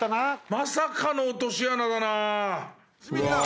まさかの落とし穴だなぁ。